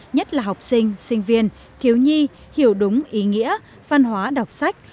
nhất là học sinh sinh viên thiếu nhi hiểu đúng ý nghĩa văn hóa đọc sách